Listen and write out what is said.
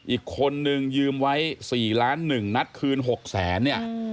อีกคนนึงยืมไว้๔ล้าน๑นัดคืน๖แสนเนี่ย